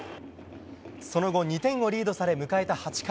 その後２点をリードされ迎えた８回。